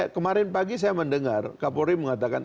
kemarin pagi saya mendengar kapolri mengatakan